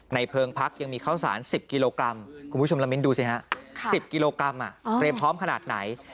เพลิงพักยังมีข้าวสาร๑๐กิโลกรัมคุณผู้ชมละมิ้นดูสิฮะ๑๐กิโลกรัมเตรียมพร้อมขนาดไหน